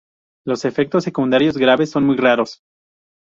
Los efectos secundarios graves son muy raros.